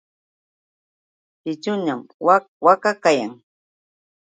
Ćhićhuñam wak waka kayan.